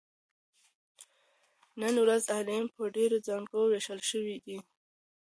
نن ورځ علم په ډېرو څانګو ویشل شوی دی.